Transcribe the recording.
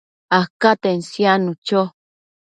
acaten siadnu cho